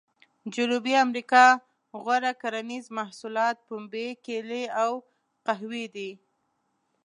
جنوبي امریکا غوره کرنیز محصولات پنبې، کېلې او قهوې دي.